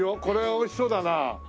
これはおいしそうだな。